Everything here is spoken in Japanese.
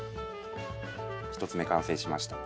１つ目完成しました。